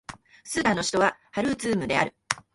スーダンの首都はハルツームである